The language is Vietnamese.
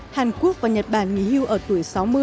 hàn quốc và nhật bản nghỉ hưu ở tuổi sáu mươi